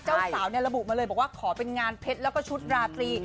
เจ้าสาวระบุมาเลยบอกว่าขอเป็นงานเพชรแล้วก็ชุดราตรี